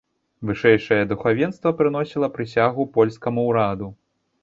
Вышэйшае духавенства прыносіла прысягу польскаму ўраду.